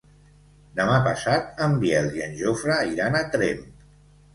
Demà passat en Biel i en Jofre iran a Tremp.